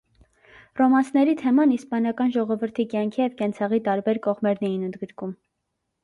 Ռոմանսների թեման իսպանական ժողովրդի կյանքի և կենցաղի տարբեր կողմերն էին ընդգրկում։